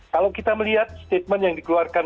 kalau kita melihat statement yang dikeluarkan